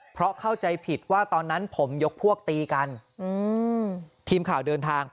เพราะเข้าใจผิดว่าตอนนั้นผมยกพวกตีกัน